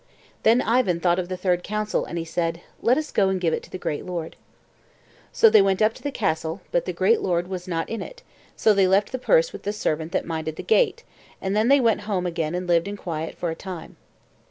Then Ivan thought of the third counsel, and he said "Let us go and give it to the great lord." So they went up to the castle, but the great lord was not in it, so they left the purse with the servant that minded the gate, and then they went home again and lived in quiet for a time.